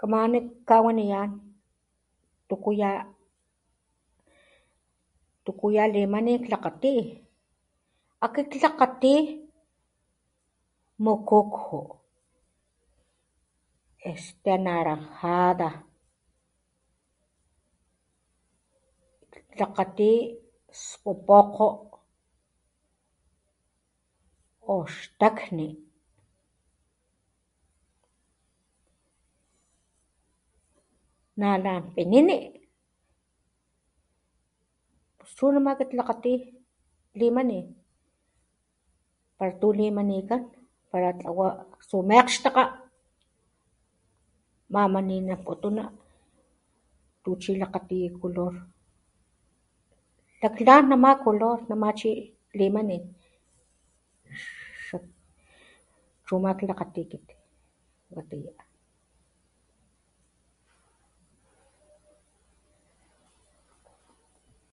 Kamanit kawaniyán tukuya tukuya limanik klakgati akit klakgati mokgokgo este naranjada klakgati spukgokgo o xtakni nala pinini chu nama klakgati limanin kgatulimaniná para tlawá aktsu meakgxtakga pamaninakutuna puchilakgatiya color lakgla nama color nama chi limani chu chu makglakati watiyá